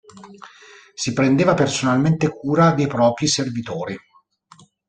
Si prendeva personalmente cura dei propri servitori.